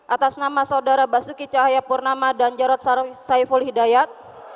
atas nama saudara basuki cahayapurnama dan jarod saiful hidayat